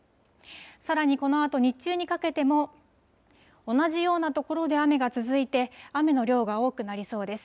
さらにこのあと日中にかけても、同じような所で雨が続いて、雨の量が多くなりそうです。